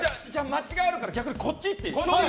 間違えるから逆にこっちいっていい？